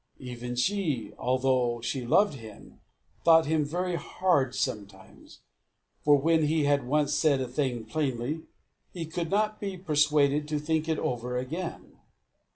Even she, although she loved him, thought him very hard sometimes; for when he had once said a thing plainly, he could not be persuaded to think it over again.